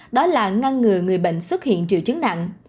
đó là ngăn ngừa người bệnh xuất hiện triệu chứng nặng